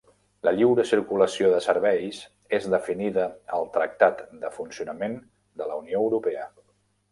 La lliure circulació de serveis és definida al Tractat de Funcionament de la Unió Europea.